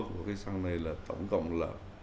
cái săn này là tổng cộng là